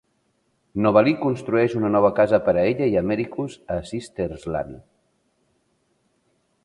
Novalee construeix una nova casa per ella i Americus a Sister's land.